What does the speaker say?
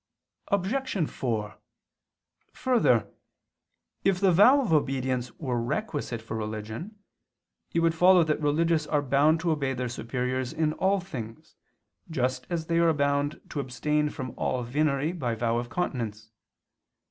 Obj. 4: Further, if the vow of obedience were requisite for religion, it would follow that religious are bound to obey their superiors in all things, just as they are bound to abstain from all venery by their vow of continence.